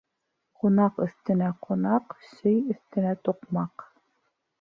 Ҡунаҡ өҫтөнә ҡунаҡ, сөй өҫтөнә туҡмаҡ.